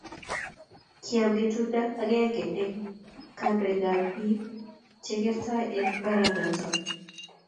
Kiam ngetundo agenge eng kandoikab bik che keertoi eng mbaranato